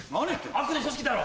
悪の組織だろ！